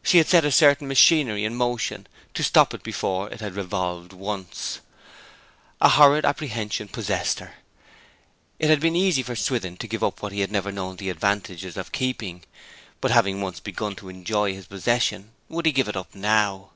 She had set a certain machinery in motion to stop it before it had revolved once. A horrid apprehension possessed her. It had been easy for Swithin to give up what he had never known the advantages of keeping; but having once begun to enjoy his possession would he give it up now?